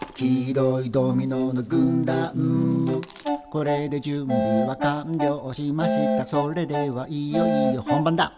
「これで準備は完了しましたそれではいよいよ本番だ」